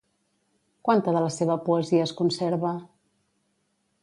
Quanta de la seva poesia es conserva?